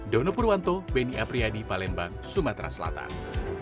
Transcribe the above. dono purwanto beni apriyadi palembang sumatera selatan